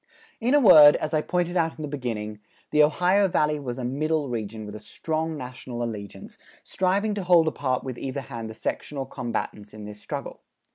In a word, as I pointed out in the beginning, the Ohio Valley was a Middle Region with a strong national allegiance, striving to hold apart with either hand the sectional combatants in this struggle.